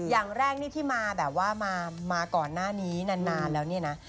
อย่างแรกนี่ที่มาแบบว่ามาก่อนหน้านี้นานแล้วเนี่ยนะ